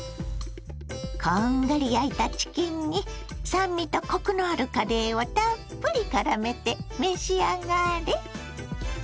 こんがり焼いたチキンに酸味とコクのあるカレーをたっぷりからめて召し上がれ。